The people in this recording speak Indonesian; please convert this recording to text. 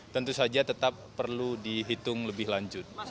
tentu saja tetap perlu dihitung lebih lanjut